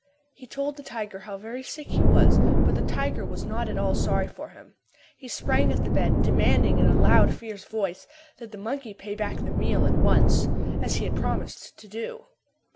He told, the tiger how very sick he was but the tiger was not at all sorry for him. He sprang at the bed, demanding in a loud, fierce voice that the monkey pay back the meal at once, as he had promised to do.